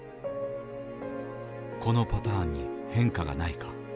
このパターンに変化がないか。